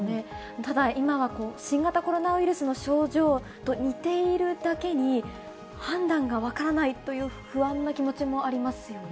ただ今は、新型コロナウイルスの症状と似ているだけに、判断が分からないという不安な気持ちもありますよね。